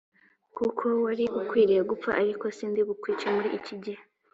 kuko wari ukwiriye gupfa ariko sindi bukwice muri iki gihe